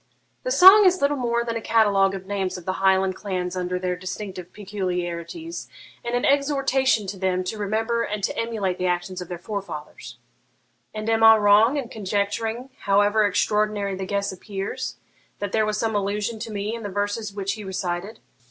'The song is little more than a catalogue of names of the Highland clans under their distinctive peculiarities, and an exhortation to them to remember and to emulate the actions of their forefathers.' 'And am I wrong in conjecturing, however extraordinary the guess appears, that there was some allusion to me in the verses which he recited?'